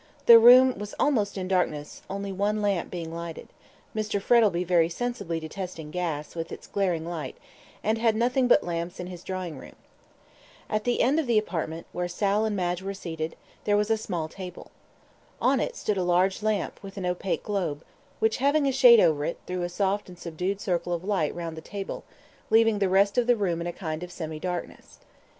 The room was almost in darkness, only one lamp being lighted, Mr. Frettlby very sensibly detested gas, with its glaring light, and had nothing but lamps in his drawing room. At the end of the apartment, where Sal and Madge were seated, there was a small table. On it stood a large lamp, with an opaque globe, which, having a shade over it, threw a soft and subdued circle of light round the table, leaving the rest of the room in a kind of semi darkness.